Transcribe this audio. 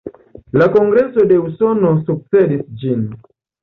La Kongreso de Usono sukcedis ĝin.